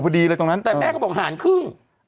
แต่แม่ก็บอกห่านครึ่ง